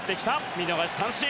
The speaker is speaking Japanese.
見逃し三振。